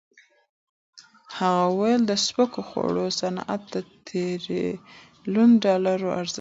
هغه وویل د سپکو خوړو صنعت د ټریلیون ډالرو ارزښت لري.